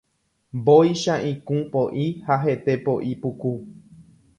Mbóicha ikũ poʼi ha hete poʼi puku.